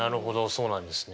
そうなんですね。